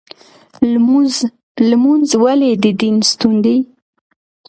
لمونځ ولې د دین ستون دی؟